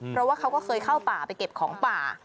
เพราะว่าเขาก็เคยเข้าป่าไปเก็บของป่า